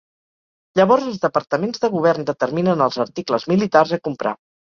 Llavors els departaments de govern determinen els articles militars a comprar.